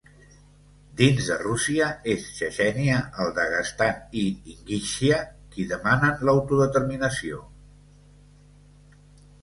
Dins de Rússia, és Txetxènia, el Daguestan i Ingúixia qui demanen l'autodeterminació.